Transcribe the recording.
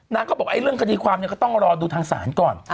เขาบอกไอ้เรื่องคดีความเนี่ยก็ต้องรอดูทางศาลก่อน